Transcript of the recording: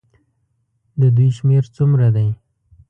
د دوی شمېر څومره دی.